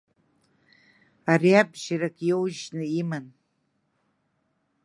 Ари абжьарак иоужьны иман.